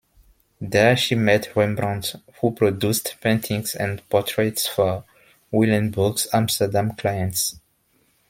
There she met Rembrandt, who produced paintings and portraits for Uylenburgh's Amsterdam clients.